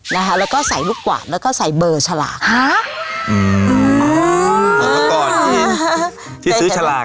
นะคะแล้วก็ใส่ลูกหวานแล้วก็ใส่เบอร์ฉลากฮะอืมอ๋อที่ซื้อฉลาก